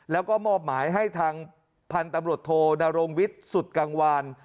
แล้วก็มอบหมายให้ทางพันธุ์ตำรวจโทนรงวิทย์สุดกังวาน